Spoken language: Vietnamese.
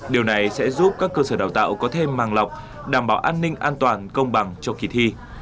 điều này sẽ giúp các cơ sở đào tạo có thêm màng lọc đảm bảo an ninh an toàn công bằng cho kỳ thi